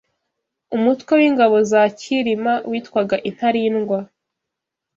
umutwe w’ingabo za Cyirima witwaga intarindwa